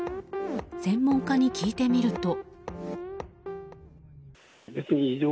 専門家に聞いてみると。